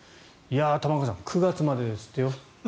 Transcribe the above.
玉川さん、９月までですってよ。